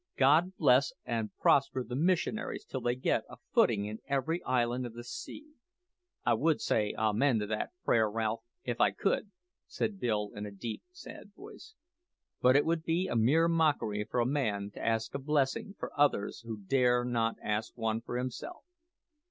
"God bless and prosper the missionaries till they get a footing in every island of the sea!" "I would say Amen to that prayer, Ralph, if I could," said Bill, in a deep, sad voice; "but it would be a mere mockery for a man to ask a blessing for others who dare not ask one for himself.